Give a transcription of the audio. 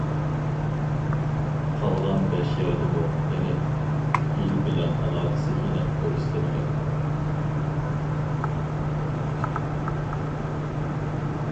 قالغان بەش يەردىمۇ يەنە ئىل بىلەن ئالاقىسى ئېنىق كۆرسىتىلگەن.